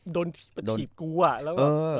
โดนไปขีบกูอะแล้วเออ